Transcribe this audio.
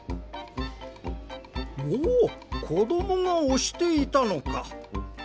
おおこどもがおしていたのか。